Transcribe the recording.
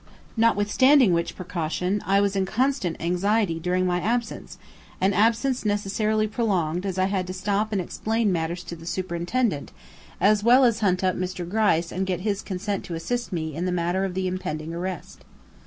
Notwithstanding which precaution, I was in constant anxiety during my absence; an absence necessarily prolonged as I had to stop and explain matters to the Superintendent, as well as hunt up Mr. Gryce and get his consent to assist me in the matter of the impending arrest.